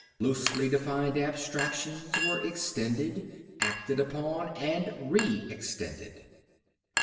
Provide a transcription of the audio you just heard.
Loosely defined abstractions were extended, acted upon and re extended.